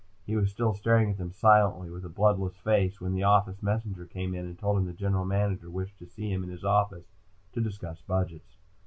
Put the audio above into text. He was still staring at them silently, with a bloodless face, when the office messenger came in and told him the General Manager wished to see him in his office to discuss budgets.